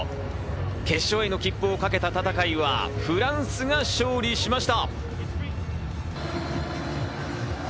決勝への切符を懸けた戦いはフランスが勝利しました。